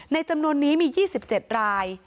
จำนวนนี้มี๒๗ราย